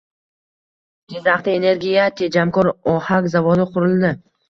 Jizzaxda energiya tejamkor ohak zavodi qurildi